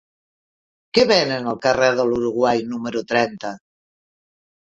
Què venen al carrer de l'Uruguai número trenta?